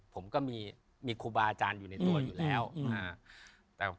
ผมก็มีครูบาอาจารย์อยู่ในตัวอยู่แล้ว